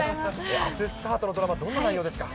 あすスタートのドラマ、どんな内容ですか？